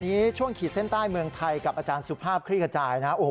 วันนี้ช่วงขีดเส้นใต้เมืองไทยกับอาจารย์สุภาพคลิกจัยนะครับ